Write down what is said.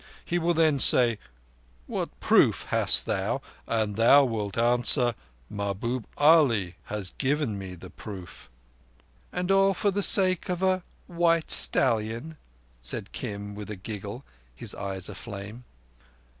He will then say 'What proof hast thou?' and thou wilt answer: 'Mahbub Ali has given me the proof.'" "And all for the sake of a white stallion," said Kim, with a giggle, his eyes aflame.